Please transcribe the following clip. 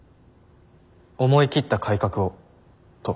思い切った改革をと。